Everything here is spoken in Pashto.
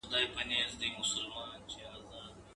نه په زرو یې سو د باندي را ایستلای.